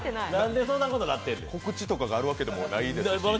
告知とかがあるわけでもないですし。